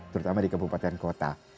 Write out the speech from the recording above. terutama di kebupatan kota